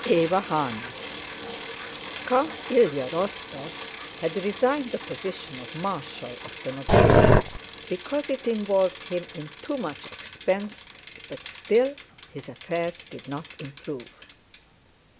CHAPTER VIII Count Ilyá Rostóv had resigned the position of Marshal of the Nobility because it involved him in too much expense, but still his affairs did not improve.